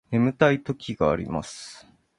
眠たい時があります